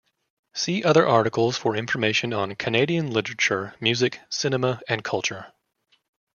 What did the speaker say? See other articles for information on Canadian literature, music, cinema and culture.